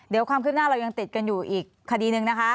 เดี๋ยวความคืบหน้าเรายังติดกันอยู่อีกคดีหนึ่งนะคะ